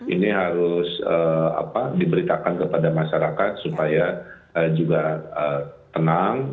ini harus diberitakan kepada masyarakat supaya juga tenang